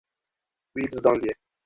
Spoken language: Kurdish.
Wî bizdandiye.